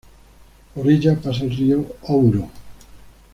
Por ella pasa el río Ouro.